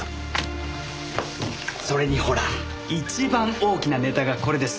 それにほら一番大きなネタがこれです。